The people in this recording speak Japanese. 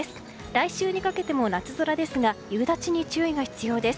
来週にかけても夏空ですが夕立に注意が必要です。